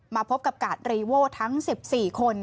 พบกับกาดรีโว่ทั้ง๑๔คน